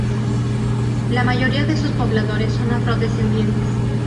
La mayoría de sus pobladores son afrodescendientes.